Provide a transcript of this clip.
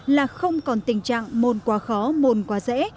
là không còn tình trạng môn quá khó môn quá dễ